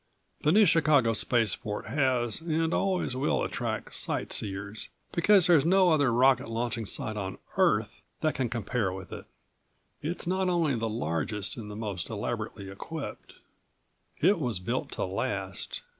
The New Chicago Spaceport has and always will attract sightseers, because there's no other rocket launching site on Earth that can compare with it. It's not only the largest and the most elaborately equipped. It was built to last.